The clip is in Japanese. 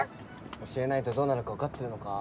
教えないとどうなるか分かってるのか？